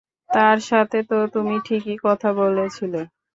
তার সাথে তো তুমি ঠিকই কথা বলেছিলে।